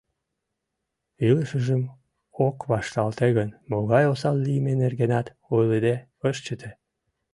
Илышыжым ок вашталте гын, могай осал лийме нергенат ойлыде ыш чыте.